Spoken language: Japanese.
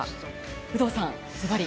有働さん、ずばり。